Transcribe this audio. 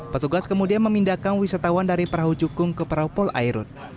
petugas kemudian memindahkan wisatawan dari perahu cukung ke perahu polairut